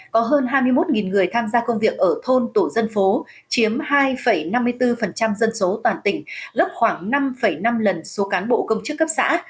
có hơn hai mươi một người tham gia công việc ở thôn tổ dân phố chiếm hai năm mươi bốn dân số toàn tỉnh lấp khoảng năm năm lần số cán bộ công chức cấp xã